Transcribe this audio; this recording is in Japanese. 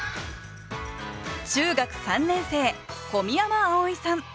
中学３年生小宮山碧生さん。